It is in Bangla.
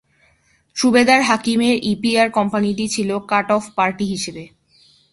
সুবেদার হাকিমের ইপিআর কোম্পানিটি ছিল কাট অফ পার্টি হিসেবে।